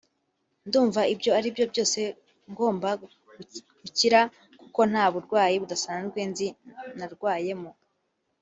ndumva ibyo ari byo byose ngomba gukira kuko nta burwayi budasanzwe nzi narwayemo